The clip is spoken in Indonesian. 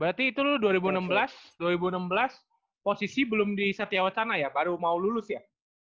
berarti itu dua ribu enam belas dua ribu enam belas posisi belum di setiawacana ya baru mau lulus ya